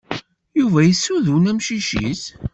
Yuba yessuden amcic-is.